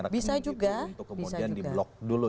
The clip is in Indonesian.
rekening bisa juga kemudian di blok dulu